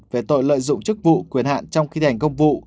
về tội lợi dụng chức vụ quyền hạn trong khi thành công vụ